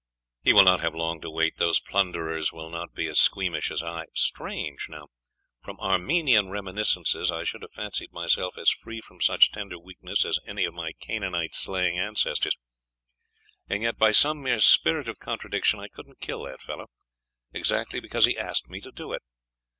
'He will not have long to wait. Those plunderers will not be as squeamish as I.... Strange, now! From Armenian reminiscences I should have fancied myself as free from such tender weakness as any of my Canaanite slaying ancestors.... And yet by some mere spirit of contradiction, I couldn't kill that fellow, exactly because he asked me to do it....